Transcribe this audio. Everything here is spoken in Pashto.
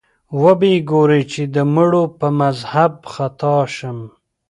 وبه یې ګورې چې د مړو په مذهب خطا شم